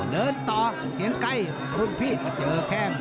เดินต่อเกียงไกรรุ่นพี่มาเจอแข้ง